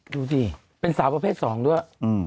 ดูสิเป็นสาวประเภท๒ด้วย